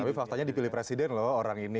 tapi faktanya dipilih presiden loh orang ini